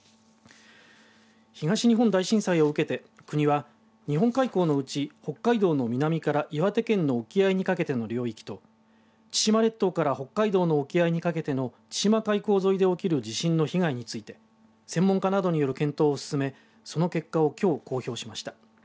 東日本大震災を受けて国は日本海溝のうち北海道の南から岩手県の沖合にかけての領域と千島列島から北海道の沖合にかけての領域の千島海溝沿いで起きる地震の被害について専門家などによる検討を進めその結果をきょう公表しました。